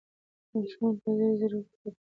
ماشومانو په ځیر ځیر ورته کتله